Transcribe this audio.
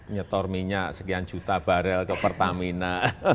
nyetor minyak sekian juta barel ke pertamina